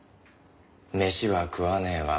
飯は食わねぇわ